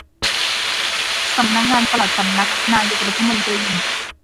สำนักงานปลัดสำนักนายกรัฐมนตรี